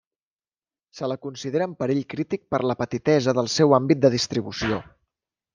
Se la considera en perill crític per la petitesa del seu àmbit de distribució.